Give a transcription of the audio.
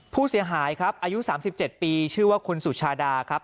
ผู้เสียหายครับอายุ๓๗ปีชื่อว่าคุณสุชาดาครับ